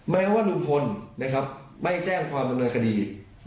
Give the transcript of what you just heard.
แม้ว่าลุงพลไม่แจ้งความดำเนินคดี